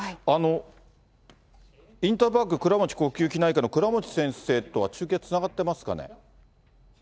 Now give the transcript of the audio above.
インターパーク倉持呼吸内科の倉持先生とは、中継つながってますかね。